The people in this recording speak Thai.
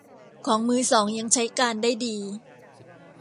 ของมือสองยังใช้การได้ดี